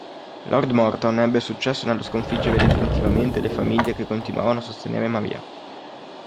Lord Morton ebbe successo nello sconfiggere definitivamente le famiglie che continuavano a sostenere Maria.